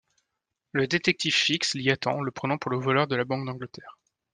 Le détective Fix l'y attend, le prenant pour le voleur de la Banque d’Angleterre.